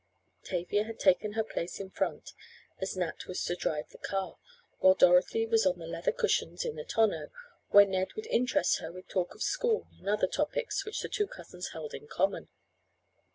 Tavia had taken her place in front, as Nat was to drive the car, while Dorothy was on the leather cushions in the tonneau, where Ned would interest her with talk of school and other topics which the two cousins held in common.